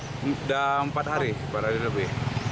sudah empat hari empat hari lebih